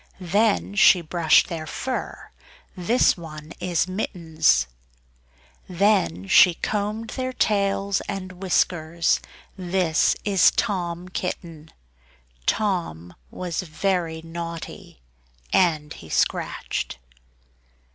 Then she brushed their fur, (this one is Mittens). Then she combed their tails and whiskers (this is Tom Kitten). Tom was very naughty, and he scratched.